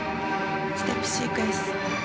ステップシークエンス。